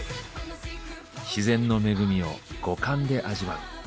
自然の恵みを五感で味わう。